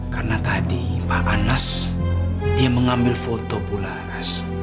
karena tadi pak anas dia mengambil foto omah laras